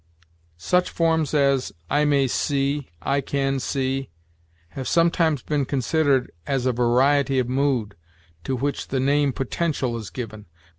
"Such forms as 'I may see,' 'I can see,' have sometimes been considered as a variety of mood, to which the name 'Potential' is given.